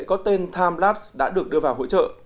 có tên timelapse đã được đưa vào hỗ trợ